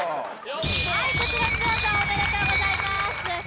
はいこちらおめでとうございます